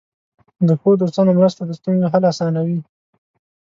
د ښو دوستانو مرسته د ستونزو حل آسانوي.